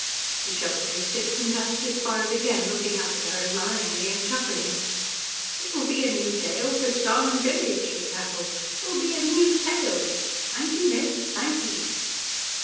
He shuffled his sticks and touched his forehead again, looking up at her admiringly and chuckling. "'T'will be a new tale for Stornham village," he cackled. "'T'will be a new tale. Thank ye, miss. Thank ye."